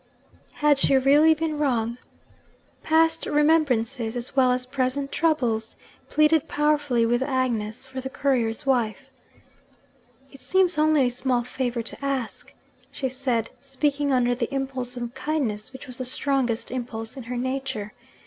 Had she really been wrong? Past remembrances, as well as present troubles, pleaded powerfully with Agnes for the courier's wife. 'It seems only a small favour to ask,' she said, speaking under the impulse of kindness which was the strongest impulse in her nature.